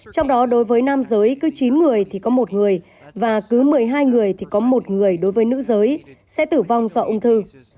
trong đó đối với nam giới cứ chín người thì có một người và cứ một mươi hai người thì có một người đối với nữ giới sẽ tử vong do ung thư